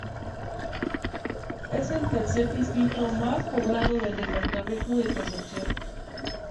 Es el tercer distrito más poblado del Departamento de Concepción.